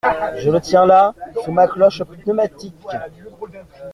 Je le tiens là sous ma cloche pneumatique!